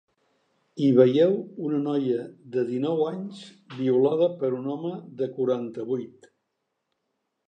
Hi veieu una noia de dinou anys violada per un home de quaranta-vuit.